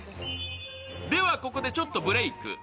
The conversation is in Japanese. では、ここでちょっとブレーク。